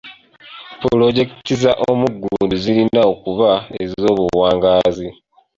Pulojekiti ez'omugundu zirina okuba ez'obuwangaazi.